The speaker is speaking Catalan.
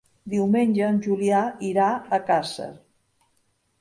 Diumenge en Julià irà a Càrcer.